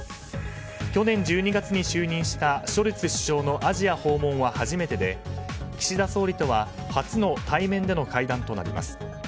去年１２月に就任したショルツ首相のアジア訪問は初めてで岸田総理とは初の対面での会談となります。